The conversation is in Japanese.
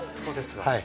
そうですか。